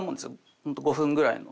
ホント５分ぐらいの。